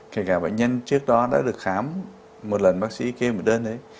kể cả bệnh nhân trước đó đã được khám một lần bác sĩ kê một đơn đấy